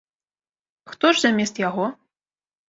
Хто ж замест яго?